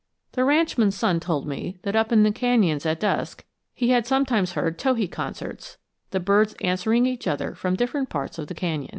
The ranchman's son told me that up in the canyons at dusk he had sometimes heard towhee concerts, the birds answering each other from different parts of the canyon.